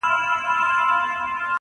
که مي څوک په امیری شمېري امیر یم »،